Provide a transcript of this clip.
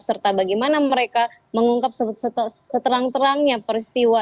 serta bagaimana mereka mengungkap seterang terangnya peristiwa